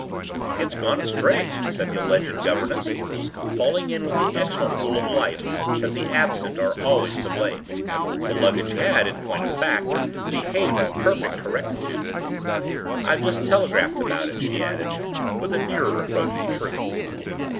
” “It’s gone astray,” said the alleged governess, falling in with the excellent rule of life that the absent are always to blame; the luggage had, in point of fact, behaved with perfect correctitude. “I’ve just telegraphed about it,” she added, with a nearer approach to truth.